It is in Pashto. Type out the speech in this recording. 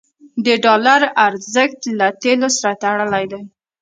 د ډالر ارزښت له تیلو سره تړلی دی.